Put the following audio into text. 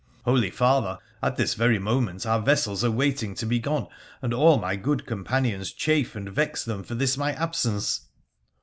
' Holy father, at this very moment our vessels are waiting to be gone, and all my good companions chafe and vex them for this my absence